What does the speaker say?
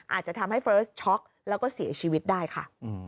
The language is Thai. อาจจะทำให้เฟิร์สช็อกแล้วก็เสียชีวิตได้ค่ะ